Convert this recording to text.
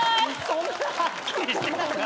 そんなはっきりしてないだろ。